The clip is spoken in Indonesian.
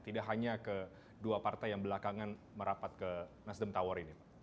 tidak hanya ke dua partai yang belakangan merapat ke nasdem tower ini pak